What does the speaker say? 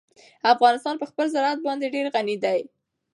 افغانستان په خپل زراعت باندې ډېر غني دی.